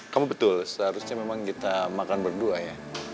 kamu betul seharusnya memang kita makan berdua ya